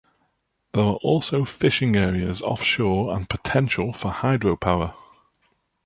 There are also fishing areas offshore and potential for hydropower.